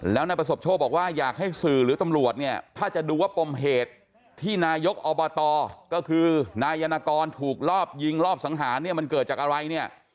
แล้วนายประสบโชคบอกว่าอยากให้สื่อหรือตำรวจเนี่ยถ้าจะดูว่าปมเหตุที่นายกอบตก็คือนายนกรถูกรอบยิงรอบสังหารเนี่ยมันเกิดจากอะไรเนี่ย